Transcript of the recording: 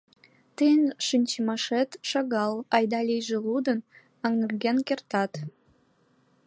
Тыйын шинчымашет шагал, айда-лийже лудын, аҥырген кертат.